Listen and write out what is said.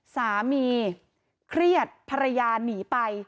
เครียดภรรยาหนีไป